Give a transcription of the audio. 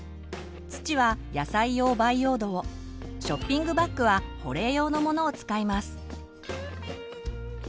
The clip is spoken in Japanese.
土は野菜用培養土をショッピングバッグは保冷用のものを使います。